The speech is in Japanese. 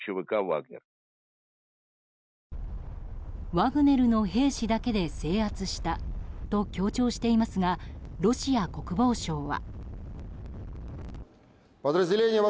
ワグネルの兵士だけで制圧したと強調していますがロシア国防省は。